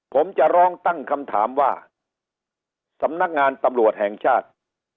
ผมจะร้องตั้งคำถามว่าสำนักงานตำรวจแห่งชาติ